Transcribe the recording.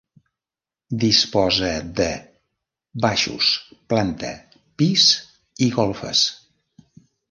Disposa de baixos, planta, pis i golfes.